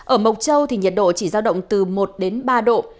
ở mộc châu thì nhiệt độ chỉ giao động từ một đến ba độ